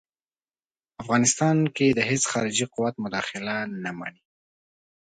افغانستان کې د هیڅ خارجي قوت مداخله نه مني.